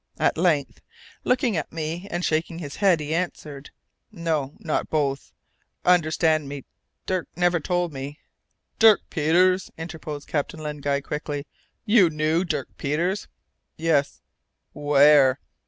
At length, looking at me and shaking his head, he answered, "No, not both. Understand me Dirk never told me " "Dirk Peters," interposed Captain Len Guy, quickly. "You knew Dirk Peters?" "Yes." "Where?"